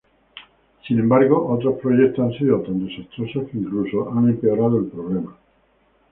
Sin embargo, otros proyectos han sido tan desastrosos que incluso han empeorado el problema.